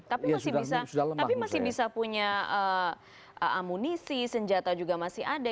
tapi masih bisa punya amunisi senjata juga masih ada